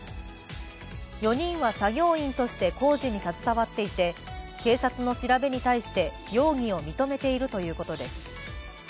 ４人は作業員として工事に携わっていて、警察の調べに対して容疑を認めているということです。